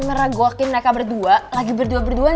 meregokin mereka berdua lagi berdua berdua